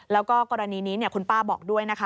แล้วก็กรณีนี้คุณป้าบอกด้วยนะคะ